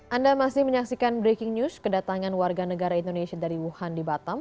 anda masih menyaksikan breaking news kedatangan warga negara indonesia dari wuhan di batam